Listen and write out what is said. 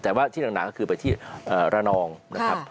แต่ว่าที่หนักก็คือไปที่ระนองนะครับ